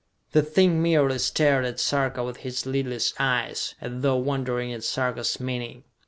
The thing merely stared at Sarka with his lidless eyes, as though wondering at Sarka's meaning.